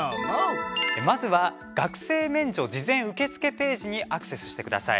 まずは学生免除事前受付ページにアクセスしてください。